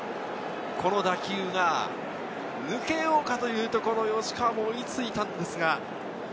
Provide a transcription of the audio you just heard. この打球が抜けようかというところ、吉川、追いついたんですが。